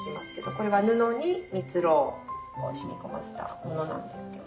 これは布に蜜ろうを染み込ませたものなんですけど。